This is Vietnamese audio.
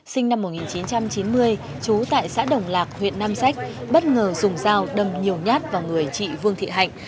sinh năm một nghìn chín trăm chín mươi chú tại xã đồng lạc huyện nam sách bất ngờ dùng dao đâm nhiều nhát vào người chị vương thị hạnh